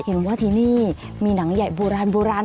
เห็นว่าที่นี่มีหนังใหญ่บุราณ